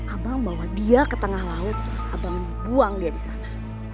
abang bawa dia ke tengah laut terus abang buang dia di sana